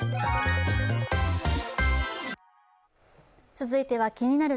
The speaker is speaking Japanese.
続いては、「気になる！